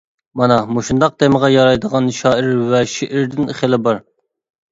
مانا مۇشۇنداق تېمىغا يارايدىغان شائىر ۋە شېئىردىن خېلى بار.